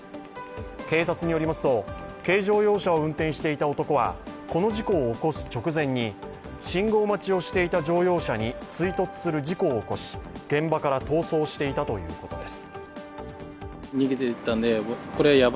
警察によりますと、軽乗用車を運転していた男はこの事故を起こす直前に、信号待ちをしていた乗用車に追突する事故を起こし、現場から逃走していたということです。